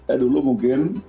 eh dulu mungkin